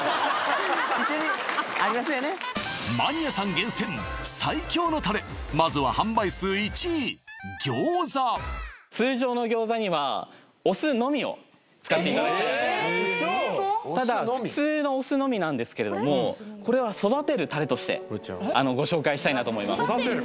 マニアさん厳選最強のタレまずは販売数１位餃子通常の餃子にはお酢のみを使っていただいてえっ・ウソただ普通のお酢のみなんですけれどもこれは育てるタレとしてご紹介したいなと思います育てる？